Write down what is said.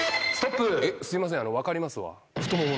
すいません分かりますわ。